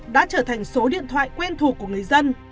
đã trở thành số điện thoại quen thuộc của người dân